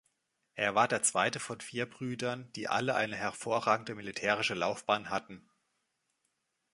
Er war der zweite von vier Brüdern, die alle eine hervorragende militärische Laufbahn hatten.